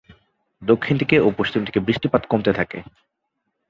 দক্ষিণ দিকে ও পশ্চিম দিকে বৃষ্টিপাত কমতে থাকে।